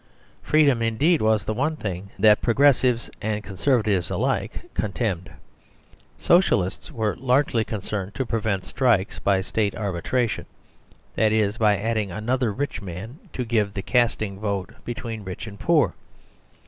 Freedom indeed was the one thing that progressives and conservatives alike contemned. Socialists were largely con cerned to prevent strikes, by State arbitration; that is, by adding another rich man to give the casting vote beween rich and poor.